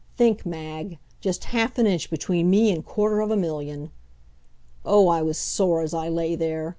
Think, Mag, just half an inch between me and quarter of a million! Oh, I was sore as I lay there!